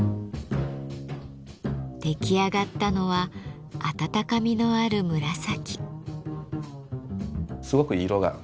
出来上がったのはあたたかみのある紫。